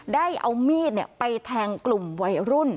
ได้เอามีดไปแทงกลุ่มวัยรุ่น